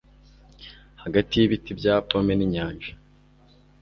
Hagati y'ibiti bya pome n'inyanja